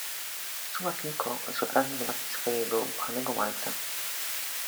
Czuła tylko, że pragnie zobaczyć swego ukochanego malca.